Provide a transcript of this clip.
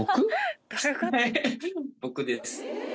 僕です。